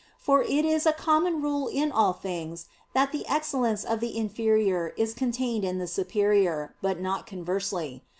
For it is a common rule in all things that the excellence of the inferior is contained in the superior, but not conversely.